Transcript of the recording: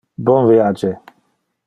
Bon viage!